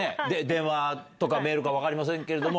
電話とかメールか分かりませんけれども。